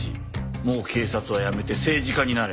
もう警察は辞めて政治家になれ。